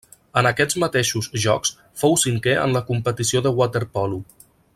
En aquests mateixos Jocs fou cinquè en la competició de waterpolo.